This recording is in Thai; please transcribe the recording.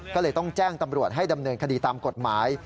ก็เลยต้องแจ้งตำรวจให้ดำเนินคดีตามกฎหมาย